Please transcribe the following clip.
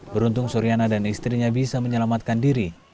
beruntung suriana dan istrinya bisa menyelamatkan diri